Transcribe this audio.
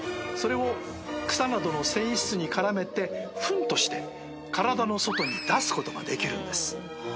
それを草などの繊維質に絡めてふんとして体の外に出すことができるんです。